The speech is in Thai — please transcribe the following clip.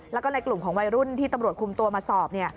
แล้วก็ในกลุ่มของวัยรุ่นที่ตำรวจคุมตัวมาสอบ